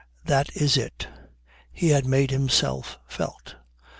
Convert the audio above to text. That is it. He had made himself felt.